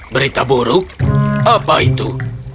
berita buruk apa itu